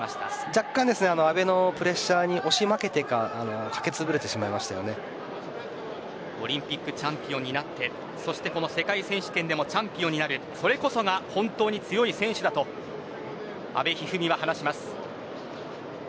若干、阿部のプレッシャーに押し負けてオリンピックチャンピオンになってそして世界選手権でもチャンピオンになるそれこそが本当に強い選手だと阿部一二三は話します。